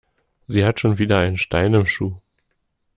Sie hat schon wieder einen Stein im Schuh.